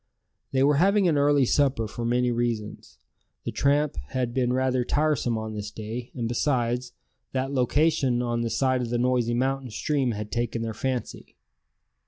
They were having an early supper for many reasons. The tramp had been rather tiresome on this day; and besides, that location on the side of the noisy mountain stream had taken their fancy.